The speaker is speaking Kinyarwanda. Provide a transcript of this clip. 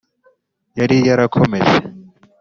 Yari Yarakomeje